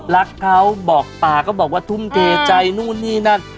รักเขาบอกปากก็บอกว่าทุ่มเทใจนู่นนี่นั่น